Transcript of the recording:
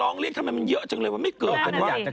เนี่ยขึ้นมา